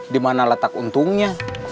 dimana letak untungnya